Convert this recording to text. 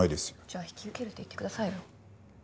じゃあ引き受けるって言ってくださいよ。